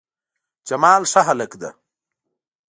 جمال ښه هلک ده